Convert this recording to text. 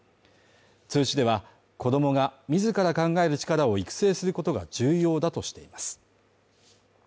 通知では、子供が自ら考える力を育成することが重要だとしています。